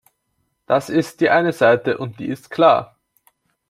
Das ist die eine Seite, und die ist klar.